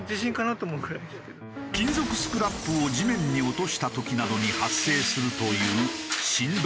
金属スクラップを地面に落とした時などに発生するという振動。